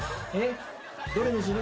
どれにする？